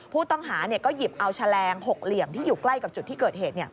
ผู้ต้องหาก็หยิบเอาแฉลง๖เหลี่ยมที่อยู่ใกล้กับจุดที่เกิดเหตุ